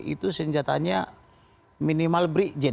itu senjatanya minimal brigjen